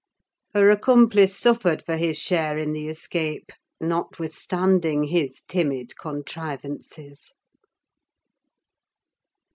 Her accomplice suffered for his share in the escape, notwithstanding his timid contrivances.